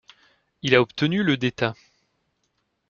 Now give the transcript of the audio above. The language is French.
Il a obtenu le d'État.